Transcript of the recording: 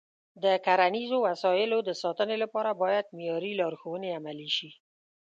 د کرنیزو وسایلو د ساتنې لپاره باید معیاري لارښوونې عملي شي.